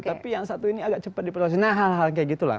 tapi yang satu ini agak cepat diproses nah hal hal kayak gitu lah